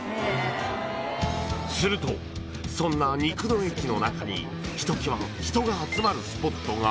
［するとそんな肉の駅の中にひときわ人が集まるスポットが］